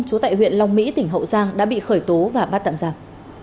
chú tại huyện long mỹ tỉnh hậu giang đã bị khởi tố và bắt tạm giảm